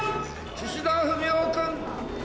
岸田文雄君。